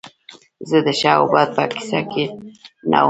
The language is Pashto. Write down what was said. زه د ښه او بد په کیسه کې نه وم